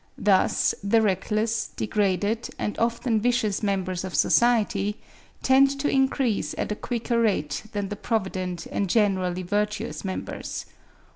Thus the reckless, degraded, and often vicious members of society, tend to increase at a quicker rate than the provident and generally virtuous members.